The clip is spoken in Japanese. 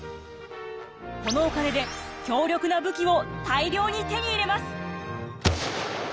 このお金で強力な武器を大量に手に入れます！